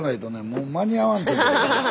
もう間に合わん。